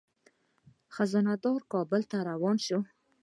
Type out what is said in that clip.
خزانه دار کابل ته روان شو.